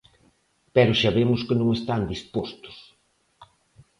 Pero xa vemos que non están dispostos.